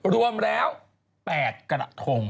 รวมแล้ว๘กระทง